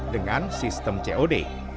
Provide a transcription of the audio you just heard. dengan sistem cod